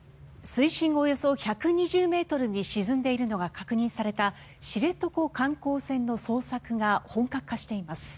水深およそ１２０ｍに沈んでいるのが確認された知床観光船の捜索が本格化しています。